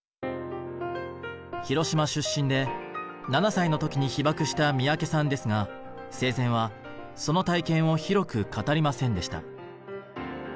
広島出身で７歳の時に被爆した三宅さんですが生前はその体験を広く語りませんでした。